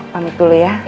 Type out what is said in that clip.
pamit dulu ya